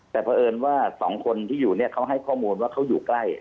แต่เพราะเอิญว่าสองคนที่อยู่เนี่ยเขาให้ข้อมูลว่าเขาอยู่ใกล้